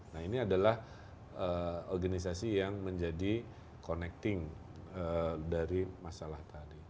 nah ini adalah organisasi yang menjadi connecting dari masalah tadi